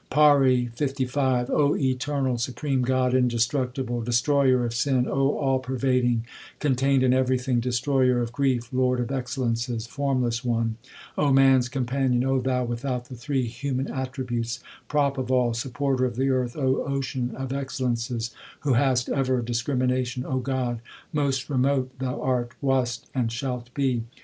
PAURI LV O eternal, supreme God, indestructible, Destroyer of sin, O All pervading, contained in everything, Destroyer of grief, Lord of excellences, Formless one, O man s companion, O Thou without the three human attributes, Prop of all, Supporter of the earth, O Ocean of excellences who hast ever discrimination, O God, most remote Thou art, wast, and shalt be.